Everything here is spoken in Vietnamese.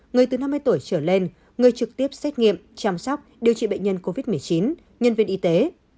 người từ năm mươi tuổi trở lên người trực tiếp xét nghiệm chăm sóc điều trị bệnh nhân covid một mươi chín nhân viên y tế